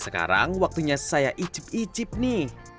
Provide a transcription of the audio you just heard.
dan saatnya saya mencoba